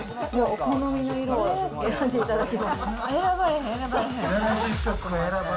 お好みの色を選んでいただければ。